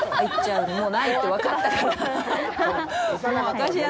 もうないって分かったから。